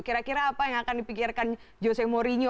kira kira apa yang akan dipikirkan jose mourinho